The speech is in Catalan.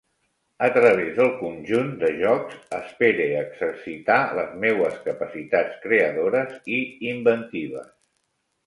A través del conjunt de jocs espere exercitar les meues capacitats creadores i inventives.